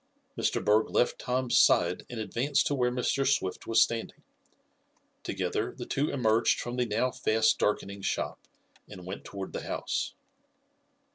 Mr. Berg left Tom's side and advanced to where Mr. Swift was standing. Together the two emerged from the now fast darkening shop and went toward the house.